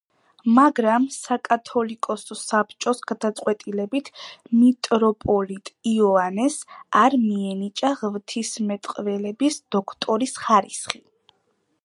მაგრამ საკათოლიკოსო საბჭოს გადაწყვეტილებით მიტროპოლიტ იოანეს არ მიენიჭა ღვთისმეტყველების დოქტორის ხარისხი.